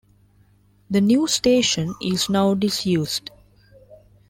The "new" station is now disused.